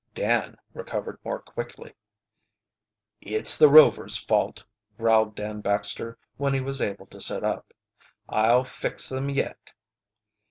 Dan recovered more quickly. "It's the Rovers' fault," growled Dan Baxter, when he was able to sit up. "I'll fix them yet."